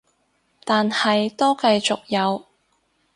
但係都繼續有